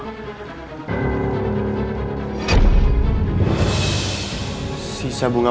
dan juga aku tvs yang orang lift